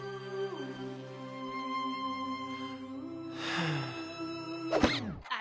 はあ。